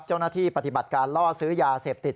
เจ้าหน้าที่ปฏิบัติการล่อซื้อยาเสพติด